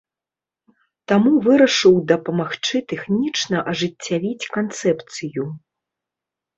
Таму вырашыў дапамагчы тэхнічна ажыццявіць канцэпцыю.